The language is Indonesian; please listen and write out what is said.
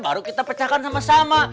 baru kita pecahkan sama sama